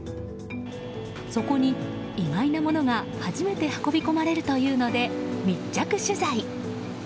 そこに、意外なものが初めて運び込まれるというので密着取材。